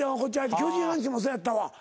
巨人・阪神もそうやったわ。